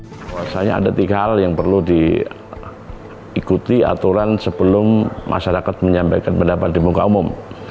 bahwasannya ada tiga hal yang perlu diikuti aturan sebelum masyarakat menyampaikan pendapat di muka umum